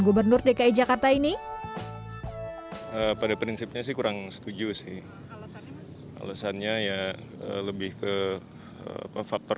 gubernur dki jakarta ini pada prinsipnya sih kurang setuju sih alasannya ya lebih ke apa faktor